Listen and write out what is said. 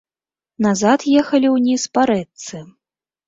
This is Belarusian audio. Назад ехалі ўніз па рэчцы.